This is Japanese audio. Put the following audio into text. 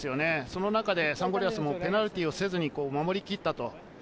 その中でサンゴリアスもペナルティーをせずに守りきったと。